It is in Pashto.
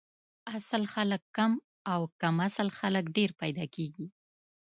اصل خلک کم او کم اصل خلک ډېر پیدا کیږي